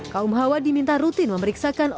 kaum hawa diminta rutin memeriksakan